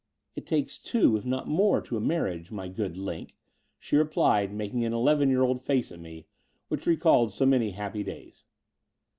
" It takes two, if not more, to a marriage, my good Line," she replied, making an eleven year old face at me, which recalled so many happy days.